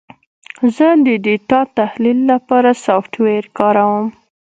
زه د ډیټا تحلیل لپاره سافټویر کاروم.